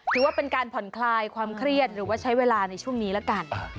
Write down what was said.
ถือว่าเป็นการผ่อนคลายความเครียดหรือว่าใช้เวลาในช่วงนี้ละกัน